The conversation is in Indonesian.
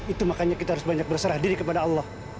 itu makanya kita harus banyak berserah diri kepada allah